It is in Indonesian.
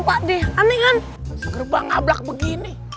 ane kan segerba ngablak begini